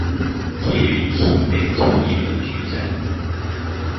捷運新北產業園區站